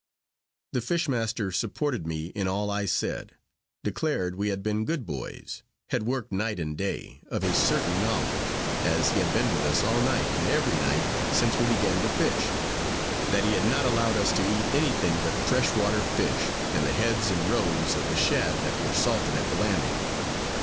The fish master supported me in all I said; declared we had been good boys had worked night and day, of his certain knowledge, as he had been with us all night and every night since we began to fish. That he had not allowed us to eat anything but fresh water fish, and the heads and roes of the shad that were salted at the landing.